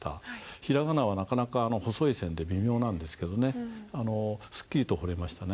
平仮名はなかなか細い線で微妙なんですけどねすっきりと彫れましたね。